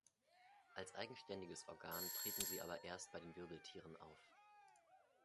Als eigenständiges Organ treten sie aber erst bei den Wirbeltieren auf.